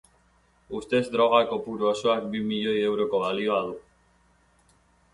Ustez, droga kopuru osoak bi milioi euroko balioa du.